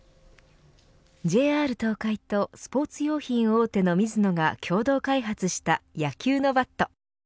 ＪＲ東海とスポーツ用品大手のミズノが共同開発した野球のバット。